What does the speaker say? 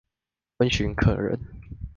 溫煦可人